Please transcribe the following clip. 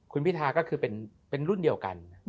คุณพิทาก็คือเป็นรุ่นเดียวกัน